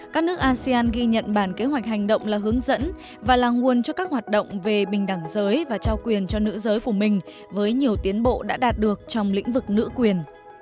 các nước asean ghi nhận bản kế hoạch hành động là hướng dẫn và là nguồn cho các hoạt động về bình đẳng giới và trao quyền cho nữ giới của mình với nhiều tiến bộ đã đạt được trong lĩnh vực nữ quyền